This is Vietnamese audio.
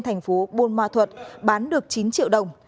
thành phố buôn ma thuật bán được chín triệu đồng